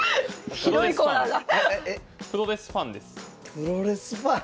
プロレスファン？